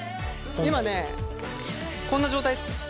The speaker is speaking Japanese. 今ねこんな状態です。